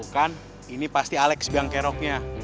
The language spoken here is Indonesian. tuh kan ini pasti alex biang keroknya